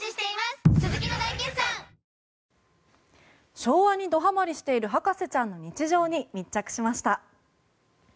昭和にドハマりしている博士ちゃんの日常に密着しました。